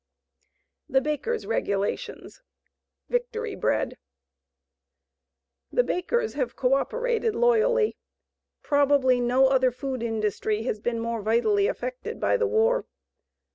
THE BAKERS' REGULATIONS. VICTORY BREAD The bakers have co operated loyally. Probably no other food industry has been more vitally affected by the war.